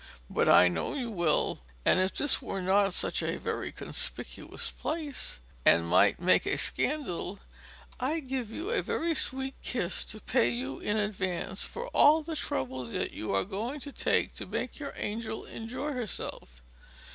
But I know you will; and if this were not such a very conspicuous place, and might make a scandal, I'd give you a very sweet kiss to pay you in advance for all the trouble that you are going to take to make your angel enjoy herself.